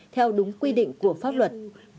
theo đúng quy định của pháp luật